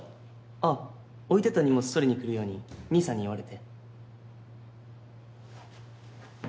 あっ置いてた荷物取りに来るように兄さんに言われて。